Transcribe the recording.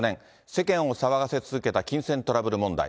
世間を騒がせ続けた金銭トラブル問題。